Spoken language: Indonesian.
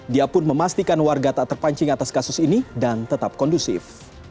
dia pun memastikan warga tak terpancing atas kasus ini dan tetap kondusif